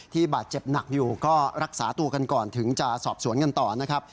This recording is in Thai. บาดเจ็บหนักอยู่ก็รักษาตัวกันก่อนถึงจะสอบสวนกันต่อนะครับ